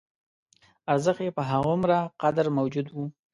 ارزښت یې په همغومره قدر موجود و.